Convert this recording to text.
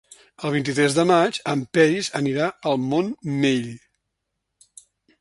El vint-i-tres de maig en Peris anirà al Montmell.